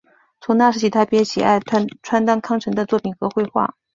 从那时起他便喜爱川端康成的作品和绘画。